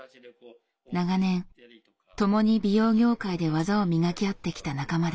長年共に美容業界で技を磨き合ってきた仲間です。